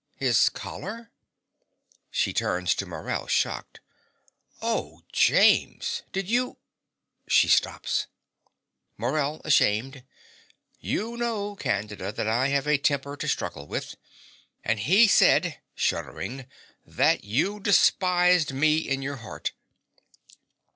His collar! (She turns to Morell, shocked.) Oh, James: did you (she stops)? MORELL (ashamed). You know, Candida, that I have a temper to struggle with. And he said (shuddering) that you despised me in your heart.